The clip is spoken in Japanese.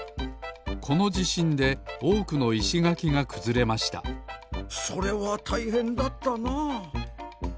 このじしんでおおくのいしがきがくずれましたそれはたいへんだったなあ。